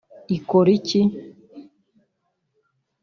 Ikora iki